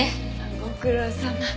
ご苦労さま。